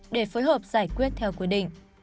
để phối hợp giải quyết theo quy định